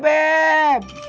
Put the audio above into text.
tidak ada yang peduli